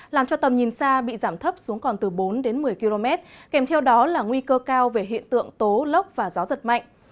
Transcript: làm cho tầm nhìn xa bị giảm thấp xuống còn từ bốn đến một mươi km kèm theo đó là nguy cơ cao về hiện tượng tố lốc và gió giật mạnh